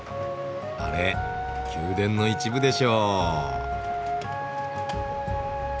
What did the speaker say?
あれ宮殿の一部でしょう。